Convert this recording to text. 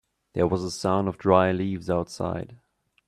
There was a sound of dry leaves outside.